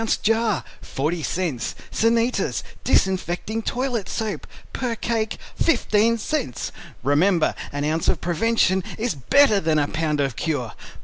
jar, 40 Cents "Sanitas" Disinfecting Toilet Soap, per cake, 15 Cents Remember an ounce of prevention is better than a pound of cure.